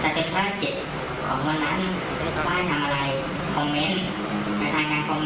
พอเสร็จแล้วประมาณช่วงแยกจะเป็นภาพจิตของวันนั้นว่าทำอะไรคอมเมนต์